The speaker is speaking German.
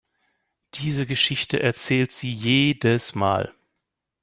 Diese Geschichte erzählt sie jedes Mal.